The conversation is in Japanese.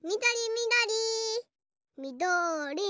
みどりみどり。